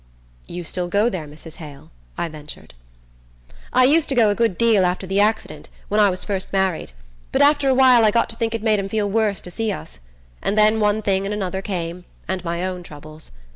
"You still go there, Mrs. Hale?" I ventured. "I used to go a good deal after the accident, when I was first married; but after awhile I got to think it made 'em feel worse to see us. And then one thing and another came, and my own troubles...